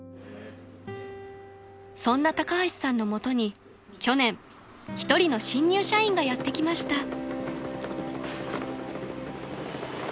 ［そんな高橋さんのもとに去年一人の新入社員がやって来ました］